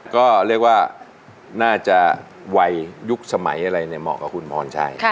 ก็เรียกว่าน่าจะวัยยุคสมัยอะไรเนี่ยเหมาะกับคุณพรชัย